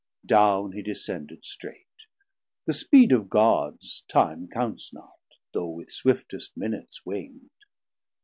Down he descended strait; the speed of Gods 90 Time counts not, though with swiftest minutes wing'd.